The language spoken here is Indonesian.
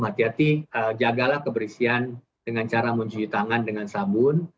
hati hati jagalah kebersihan dengan cara mencuci tangan dengan sabun